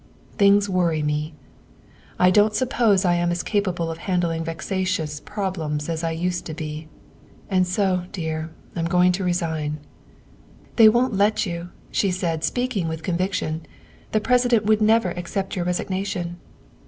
Things worry me. I don't suppose I am as capable of handling vexatious problems as I used to be, and so, dear, I'm going to resign. ''" They won't let you," she said, speaking with con viction, " the President would never accept your resig nation.